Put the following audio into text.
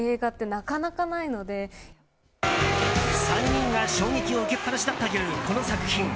３人が衝撃を受けっぱなしだったというこの作品。